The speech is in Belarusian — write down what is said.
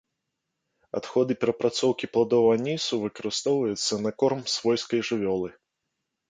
Адходы перапрацоўкі пладоў анісу выкарыстоўваюць на корм свойскай жывёлы.